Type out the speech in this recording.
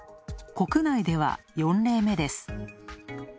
国内では４例目です。